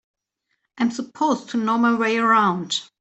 I'm supposed to know my way around.